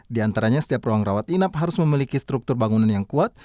di antaranya setiap ruang rawat inap harus memiliki struktur bangunan yang kuat